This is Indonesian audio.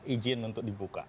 izin untuk dibuka